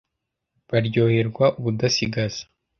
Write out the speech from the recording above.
baryoherwa ubudasigaza.